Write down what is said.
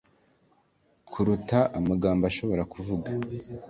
kuruta amagambo ashobora kuvuga